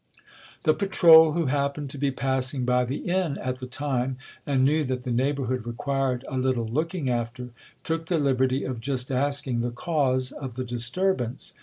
The patrol, who hap pened to be passing by the inn at the time, and knew that the neighbourhood required a little looking after, took the liberty of just asking the cause of the disturbance.